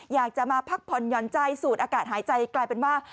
อยากจะมาพักพ้นย้อนใจสูดอกาสหายใจมันกลายเป็นว่า